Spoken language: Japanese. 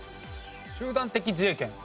集団的自衛権。